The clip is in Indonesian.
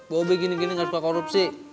bobe gini gini gak suka korupsi